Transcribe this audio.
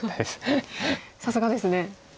さすがですね。